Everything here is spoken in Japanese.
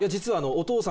お父様！